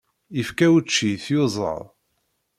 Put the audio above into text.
Yefka učči i tyuẓaḍ.